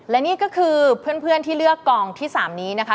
และนี่ก็คือเพื่อนที่เลือกกองที่๓นี้นะคะ